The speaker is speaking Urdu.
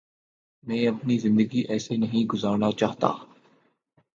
میں اپنی زندگی ایسے نہیں گزارنا چاہتا